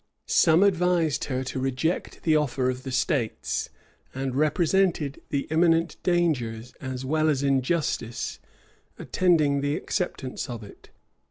Some advised her to reject the offer of the states, and represented the imminent dangers, as well as injustice, attending the acceptance of it.